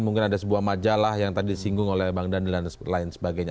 mungkin ada sebuah majalah yang tadi disinggung oleh bang daniel dan lain sebagainya